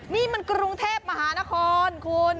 นี่มันกรุงเทพมหานครคุณ